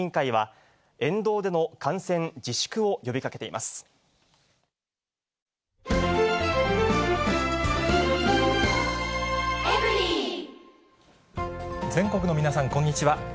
また、全国の皆さん、こんにちは。